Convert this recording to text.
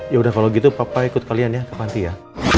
ya udah kalau gitu papa ikut kalian ya ke panti ya